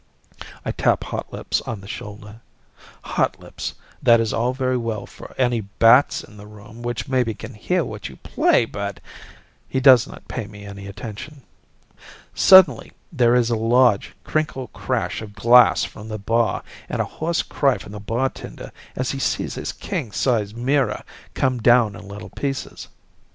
I tap Hotlips on the shoulder. "Hotlips, that is all very well for any bats in the room which maybe can hear what you play, but " He does not pay me any attention. Suddenly there is a large crinkle crash of glass from the bar and a hoarse cry from the bartender as he sees his king size mirror come down in little pieces.